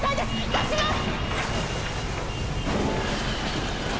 出します！